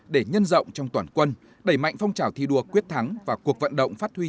để nhân rộng trong toàn quân đẩy mạnh phong trào thi đua quyết thắng và cuộc vận động phát huy